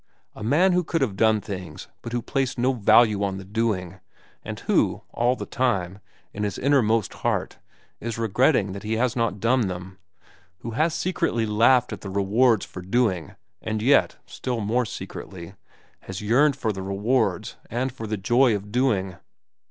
A man who could have done things but who placed no value on the doing, and who, all the time, in his innermost heart, is regretting that he has not done them; who has secretly laughed at the rewards for doing, and yet, still more secretly, has yearned for the rewards and for the joy of doing."